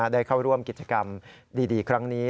ได้เข้าร่วมกิจกรรมดีครั้งนี้